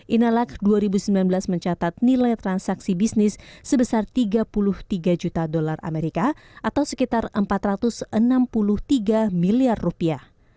inalak dua ribu sembilan belas mencatat nilai transaksi bisnis sebesar tiga puluh tiga juta dolar amerika atau sekitar empat ratus enam puluh tiga miliar rupiah